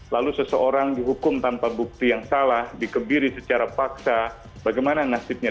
lalu seseorang dihukum tanpa bukti yang salah dikebiri secara paksa bagaimana nasibnya